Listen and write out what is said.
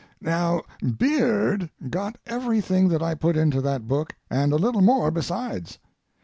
Now, Beard got everything that I put into that book and a little more besides.